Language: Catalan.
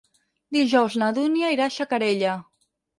Dijous na Dúnia irà a Xacarella.